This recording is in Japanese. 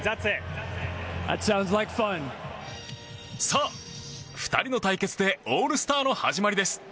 さあ２人の対決でオールスターの始まりです。